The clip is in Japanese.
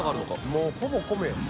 もうほぼ米やん。